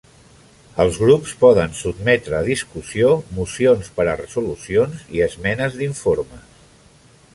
Els grups poden sotmetre a discussió mocions per a resolucions i esmenes d'informes.